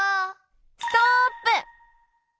ストップ！